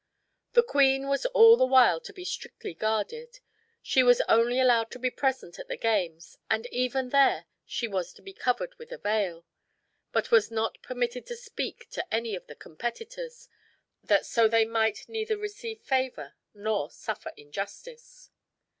The queen was all the while to be strictly guarded: she was only allowed to be present at the games, and even there she was to be covered with a veil; but was not permitted to speak to any of the competitors, that so they might neither receive favor, nor suffer injustice.